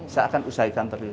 saya akan usaha ikan teri